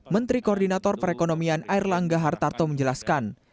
menteri koordinator perekonomian airlangga hartarto menjelaskan